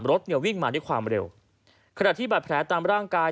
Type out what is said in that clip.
รถเนี่ยวิ่งมาด้วยความเร็วขณะที่บาดแผลตามร่างกาย